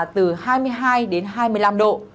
từ hai mươi hai đến hai mươi năm độ